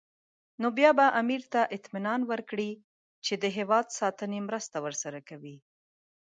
نو بیا به امیر ته اطمینان ورکړي چې د هېواد ساتنې مرسته ورسره کوي.